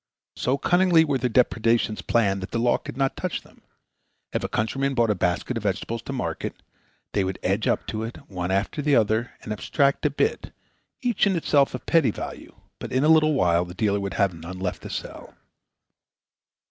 So cunningly were their depredations planned that the law could not touch them. If a countryman brought a basket of vegetables to market, they would edge up to it, one after the other, and abstract a bit, each in itself of petty value, but in a little while the dealer would have none left to sell.